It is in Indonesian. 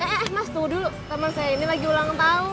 eh eh mas tuh dulu teman saya ini lagi ulang tahun